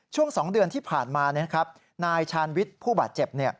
ช่วง๒เดือนที่ผ่านมานายชาญวิทย์ผู้บาดเจ็บ